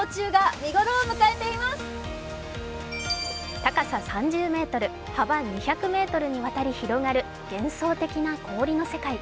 高さ３０ｍ、幅２００ｍにわたり広がる幻想的な氷の世界。